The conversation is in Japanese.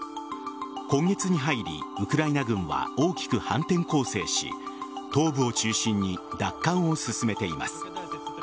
今月に入り、ウクライナ軍は大きく反転攻勢し東部を中心に奪還を進めています。